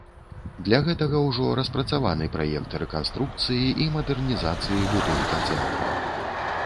Для гэтага ўжо распрацаваны праект рэканструкцыі і мадэрнізацыі будынка цэнтра.